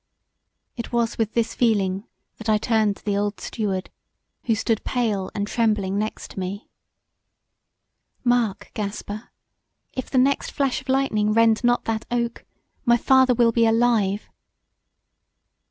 It was with this feeling that I turned to the old Steward who stood pale and trembling beside me; "Mark, Gaspar, if the next flash of lightning rend not that oak my father will be alive."